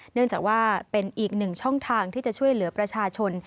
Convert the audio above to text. เนื่องจากว่าเป็นอีกหนึ่งช่องทางที่จะช่วยเหลือประชาชน